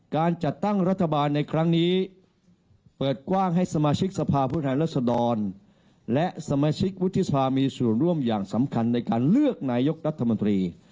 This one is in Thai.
การจัดตั้งรัฐบาลในครั้งนี้เปิดกว้างให้สมาชิกสภาพผู้แทนรัศดรและสมาชิกวุฒิสภามีส่วนร่วมอย่างสำคัญในการเลือกนายกรัฐมนตรี